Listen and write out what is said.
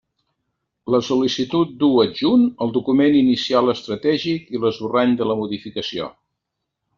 La sol·licitud du, adjunt, el Document Inicial Estratègic i l'esborrany de la Modificació.